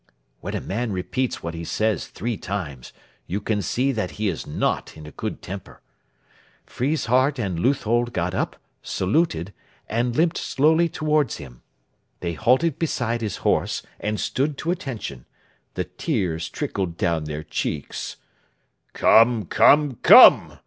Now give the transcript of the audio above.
(When a man repeats what he says three times, you can see that he is not in a good temper.) Friesshardt and Leuthold got up, saluted, and limped slowly towards him. They halted beside his horse, and stood to attention. The tears trickled down their cheeks. "Come, come, come!"